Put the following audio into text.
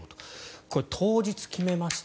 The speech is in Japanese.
これ、当日決めました